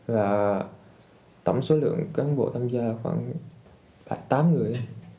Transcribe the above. và tổng số lượng cán bộ tham gia khoảng tám người